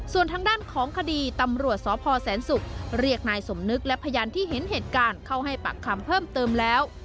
ส่วนทางด้านของคดีตำรวจสพแสนศุกร์เรียกนายสมนึกและพยานที่เห็นเหตุการณ์เข้าให้ปากคำเพิ่มเติมแล้ว